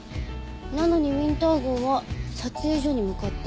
なのにウィンター号は撮影所に向かった。